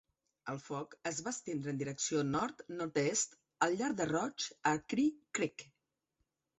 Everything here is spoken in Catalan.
El foc es va estendre en direcció nord-nord-est, al llarg de Roche A Cri Creek.